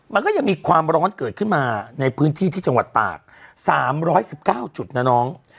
มันก็ยังมีความร้อนเกิดขึ้นมาในพื้นที่ที่จังหวัดตาก๓๑๙จุดนะน้อง